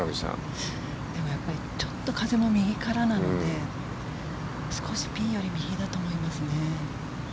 でもやっぱりちょっと風も右からなので少しピンよりも右だと思いますね。